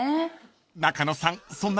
［中野さん